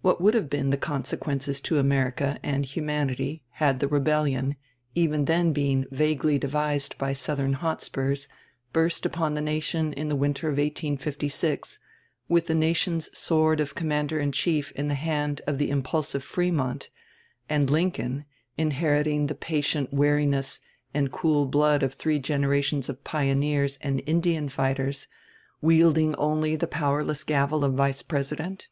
What would have been the consequences to America and humanity had the Rebellion, even then being vaguely devised by Southern Hotspurs, burst upon the nation in the winter of 1856, with the nation's sword of commander in chief in the hand of the impulsive Frémont, and Lincoln, inheriting the patient wariness and cool blood of three generations of pioneers and Indian fighters, wielding only the powerless gavel of Vice President?